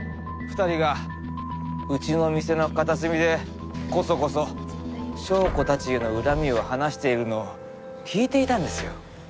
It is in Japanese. ２人がうちの店の片隅でコソコソ祥子たちへの恨みを話しているのを聞いていたんですよ。